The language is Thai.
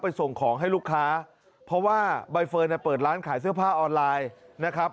ส่งของให้ลูกค้าเพราะว่าใบเฟิร์นเนี่ยเปิดร้านขายเสื้อผ้าออนไลน์นะครับ